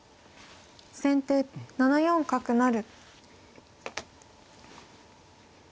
先手７四角成。